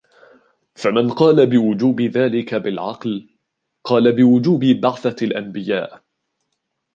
فَمَنْ قَالَ بِوُجُوبِ ذَلِكَ بِالْعَقْلِ ، قَالَ بِوُجُوبِ بَعْثَةِ الْأَنْبِيَاءِ